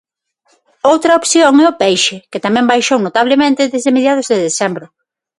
Outra opción é o peixe, que tamén baixou notablemente desde mediados de decembro.